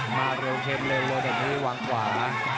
มาเร็วเข้มเร็วลงออกให้วางขวา